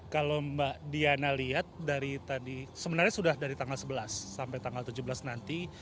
kalau mbak diana lihat dari tadi sebenarnya sudah dari tanggal sebelas sampai tanggal tujuh belas nanti